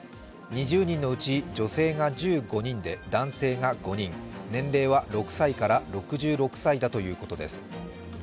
２０人のうち、女性が１５人で、男性が５人、年齢は６歳から６６歳だということです。